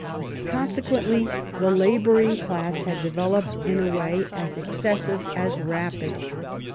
Conse quently, the labouring class had developed in a way as excessive as rapid.